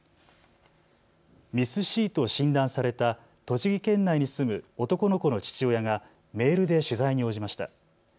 ＭＩＳーＣと診断された栃木県内に住む男の子の父親がメールで取材に応じました。